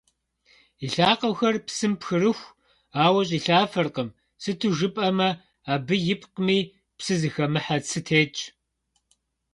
И лъакъуэхэр псым пхырыху, ауэ щӀилъафэркъым, сыту жыпӀэмэ, абы ипкъми, псы зыхэмыхьэ цы тетщ.